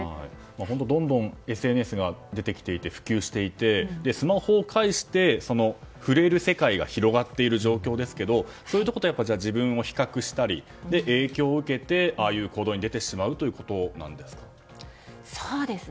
本当にどんどんＳＮＳが出て普及していてスマホを介して触れる世界が広がっている状況ですがそういうとこと自分を比較したり影響を受けてああいう行動に出てしまうということですか。